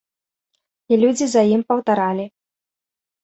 І людзі за ім паўтаралі.